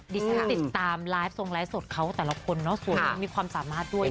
ติดตามไลฟ์ทรงไลฟ์สดเขาแต่ละคนเนาะสวยมีความสามารถด้วยนะ